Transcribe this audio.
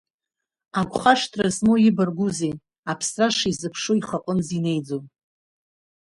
Агәхашҭра змоу ибаргәызеи аԥсра шизыԥшу ихы аҟынӡа инеиӡом.